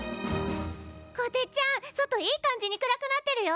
こてっちゃん外いい感じに暗くなってるよ。